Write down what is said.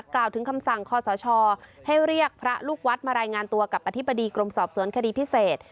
กล่าวถึงคำสั่งคอสชให้เรียกพระลูกวัดมารายงานตัวกับอธิบดีกรมสอบสวนคดีพิเศษ